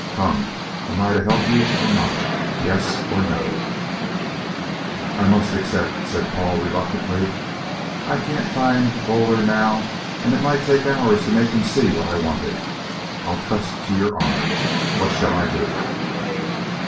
Come, am I to help you or not? Yes or no?" "I must accept," said Paul reluctantly; "I can't find Boaler now, and it might take hours to make him see what I wanted. I'll trust to your honour. What shall I do?"